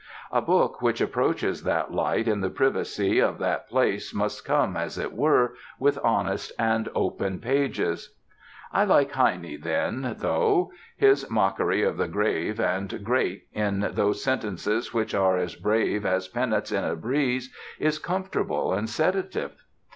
A book which approaches that light in the privacy of that place must come, as it were, with honest and open pages. I like Heine then, though. His mockery of the grave and great, in those sentences which are as brave as pennants in a breeze, is comfortable and sedative.